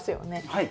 はい。